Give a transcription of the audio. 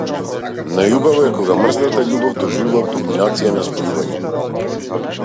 Најубаво е кога мрсната љубов доживува кулминација на спојување.